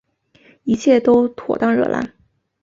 一切都妥当惹拉